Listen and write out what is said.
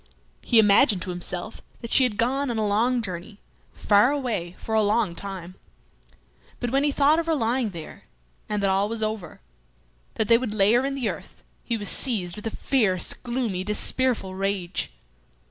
He imagined to himself she had gone on a long journey, far away, for a long time. But when he thought of her lying there, and that all was over, that they would lay her in the earth, he was seized with a fierce, gloomy, despairful rage.